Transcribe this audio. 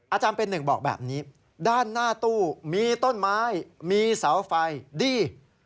อาจารย์เป็นหนึ่งบอกแบบนี้ด้านหน้าตู้มีต้นไม้มีเสาไฟดี